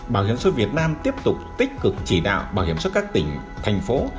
bảo hiểm số việt nam tiếp tục tích cực chỉ đạo bảo hiểm số các tỉnh thành phố